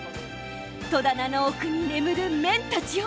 戸棚の奥に眠る麺たちよ！